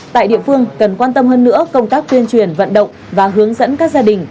tại địa phương cần quan tâm hơn nữa công tác tuyên truyền vận động và hướng dẫn các gia đình